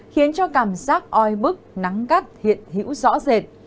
khiến cho cảm giác oi bức nắng gắt hiện hữu rõ rệt